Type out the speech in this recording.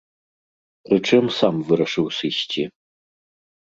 Прычым сам вырашыў сысці.